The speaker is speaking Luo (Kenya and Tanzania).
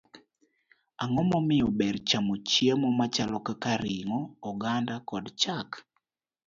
Ang'o momiyo ber chamo chiemo machalo kaka ring'o, oganda, kod chak?